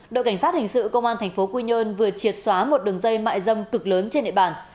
đội cảnh sát hình sự công an tp quy nhơn vừa triệt xóa một đường dây mại dâm cực lớn trên địa bàn